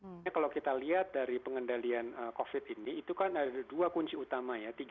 sebenarnya kalau kita lihat dari pengendalian covid ini itu kan ada dua kunci utama ya